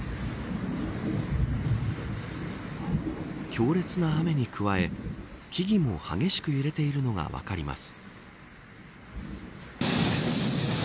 強烈な雨に加え木々も激しく揺れているのが分かります。